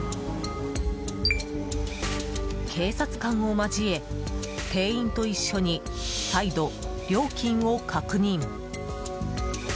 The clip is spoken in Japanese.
警察官を交え、店員と一緒に再度、料金を確認。